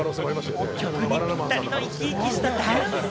曲にぴったりの生き生きしたダンス！